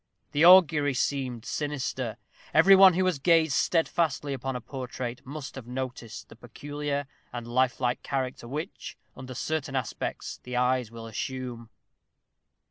The augury seemed sinister. Every one who has gazed steadfastly upon a portrait must have noticed the peculiar and lifelike character which, under certain aspects, the eyes will assume.